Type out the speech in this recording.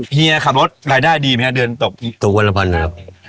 เฮียขับรถรายได้ดีไหมฮะเดือนตกวันละวันเลยครับ